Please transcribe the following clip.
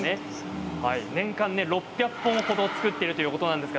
年間で６００本ほど作っているということです。